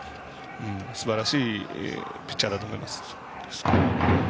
すばらしいピッチャーだと思います。